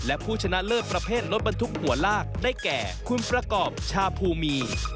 และผู้ชนะเลิศประเภทรถบรรทุกหัวลากได้แก่คุณประกอบชาภูมี